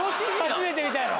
初めて見たやろ？